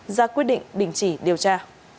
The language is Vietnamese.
ra quyết định đình chỉ điều tra